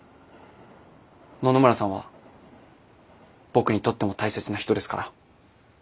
野々村さんは僕にとっても大切な人ですから。